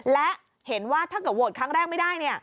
และเห็นว่าถ้าเกิดโหวตครั้งแรกไม่ได้